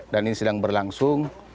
dan ini sedang berlangsung